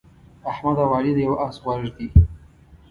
احمد او علي د یوه اس غوږ دي.